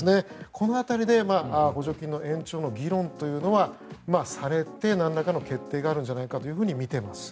この辺りで補助金の延長の議論というのはされて、なんらかの決定があるんじゃないかとみています。